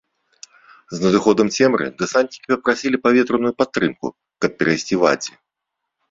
З надыходам цемры дэсантнікі папрасілі паветраную падтрымку, каб перайсці вадзі.